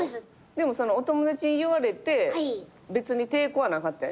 でもそのお友達に言われて別に抵抗はなかったんや？